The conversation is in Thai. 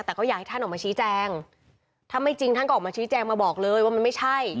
แต่ก็อยากให้ท่านออกมาชี้แจงถ้าไม่จริงท่านก็ออกมาชี้แจงมาบอกเลยว่ามันไม่ใช่